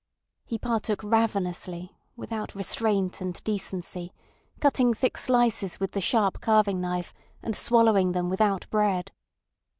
He partook ravenously, without restraint and decency, cutting thick slices with the sharp carving knife, and swallowing them without bread.